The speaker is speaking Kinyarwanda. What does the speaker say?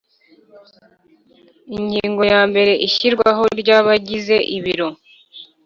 Ingingo yambere Ishyirwaho ry Abagize Ibiro